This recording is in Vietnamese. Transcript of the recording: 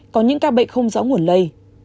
có những ca bệnh không rõ nguồn lây